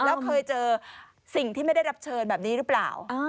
แล้วเคยเจอสิ่งที่ไม่ได้รับเชิญแบบนี้หรือเปล่า